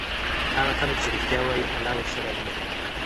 هغه خلک چې ریښتیا وایي الله ورسره مینه کوي.